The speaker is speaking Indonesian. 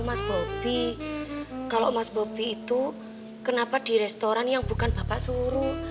mas bobi kalau mas bobi itu kenapa di restoran yang bukan bapak suruh